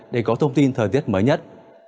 để có thông tin thời tiết mới nhất